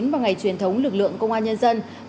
và ngày truyền thống lực lượng công an nhân dân